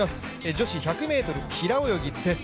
女子１００ｍ平泳ぎです。